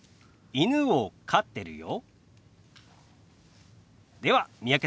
犬を飼ってるよ。